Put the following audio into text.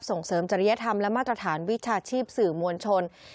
ส่งเสริมจริยธรรมและมาตรฐานวิชาชีพสื่อมวลชน